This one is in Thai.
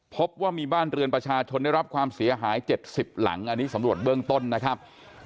พบว่ามีบ้านเรือนประชาชนได้รับความเสียหาย๗๐หลังอันนี้สำรวจเบื้องต้นนะครับ